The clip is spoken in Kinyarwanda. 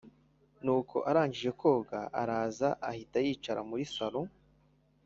nuko arangije koga araza ahita yicara muri sallon.